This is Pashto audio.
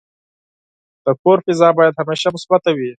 د کور فضا باید همیشه مثبته وي.